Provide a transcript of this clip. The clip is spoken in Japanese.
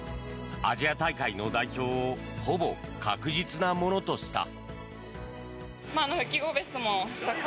アジア大会の代表をほぼ確実なものとした。